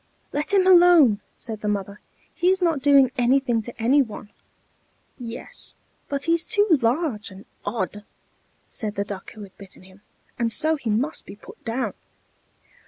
"Let him alone," said the mother: "he is not doing anything to any one." "Yes, but he's too large and odd," said the Duck who had bitten him, "and so he must be put down."